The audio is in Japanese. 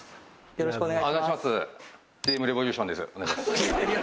よろしくお願いします。